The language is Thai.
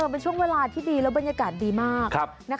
เป็นช่วงเวลาที่ดีแล้วบรรยากาศดีมาก